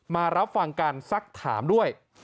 มารับฟังการสักถามด้วย